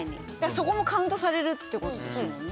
そこもカウントされるってことですもんね。